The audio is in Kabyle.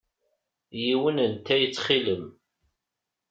Yiwen n ttay ttxil-m!